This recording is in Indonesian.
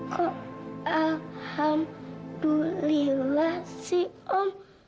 kok alhamdulillah sih om